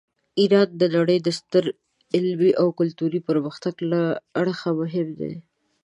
ایران د نړۍ د ستر علمي او کلتوري پرمختګ له اړخه مهم دی.